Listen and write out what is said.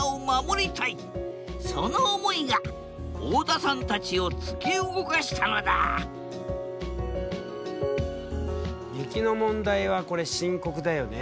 その思いが太田さんたちを突き動かしたのだ雪の問題はこれ深刻だよね。